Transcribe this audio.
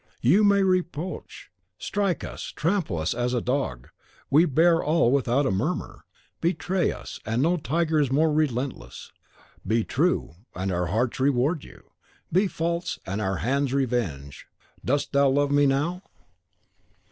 You may reproach, strike us, trample us as a dog, we bear all without a murmur; betray us, and no tiger is more relentless. Be true, and our hearts reward you; be false, and our hands revenge! Dost thou love me now?"